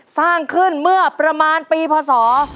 สร้างขึ้นเมื่อประมาณปีพศ๒๕๖